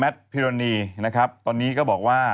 ตอนนี้ก็บอกว่า